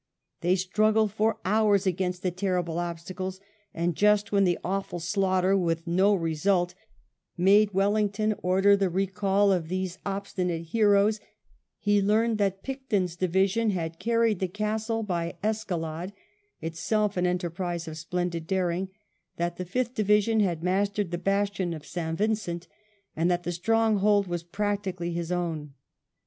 They struggled for hours against the terrible obstacles, and just when the awful slaughter, with no result, made Wellington order the recall of these obstinate heroes, he learned that Picton's division had carried the castle by escalade, itself an enterprise of splendid daring, that the Fifth Division had mastered the bastion of St. Vincent, and that the stronghold was practically his own.